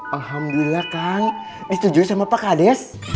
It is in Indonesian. alhamdulillah kan disetujui sama pak kades